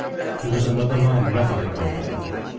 He was another man revelling over her.